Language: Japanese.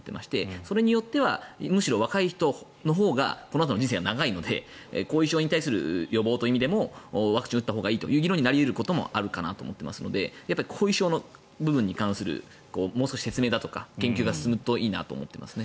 それによってはむしろ若い人のほうがこのあとの人生が長いので後遺症に対する予防という意味でもワクチンを打ったほうがいいという議論になり得ることもあるかなと思ってますので後遺症の部分に関するもう少し説明、研究が進むといいなと思います。